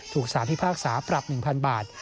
ถูกสารพิพากษาปรับ๑๐๐๐บาท